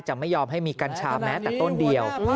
ไม่ยอมให้มีกัญชาแม้แต่ต้นเดียว